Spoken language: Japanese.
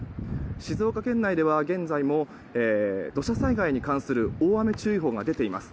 静岡県内では現在も土砂災害に関する大雨注意報が出ています。